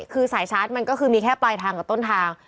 คือสายชาร์จมันก็คือมีแค่ปลายทางกับต้นทาง